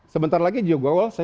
sebentar lagi juga goal